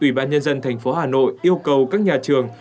ủy ban nhân dân thành phố hà nội yêu cầu các nhà trường